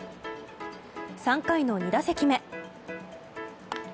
３回の２打席目。